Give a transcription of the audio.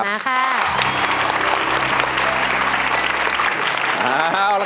ขอบคุณค่ะ